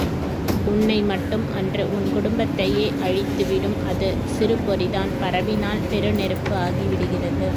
உன்னைமட்டும் அன்று உன் குடும்பத்தையே அழித்துவிடும் அது சிறு பொறிதான் பரவினால் பெரு நெருப்பு ஆகிவிடுகிறது.